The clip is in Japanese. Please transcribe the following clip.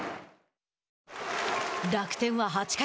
楽天は８回。